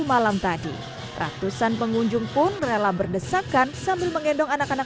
malam tadi ratusan pengunjung pun rela berdesakan sambil mengendong anak anak